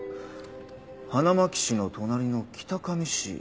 花巻市の隣の北上市。